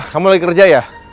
kamu lagi kerja ya